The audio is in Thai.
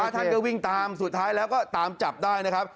ท่านก็วิ่งตามสุดท้ายแล้วก็ตามจับได้นะครับ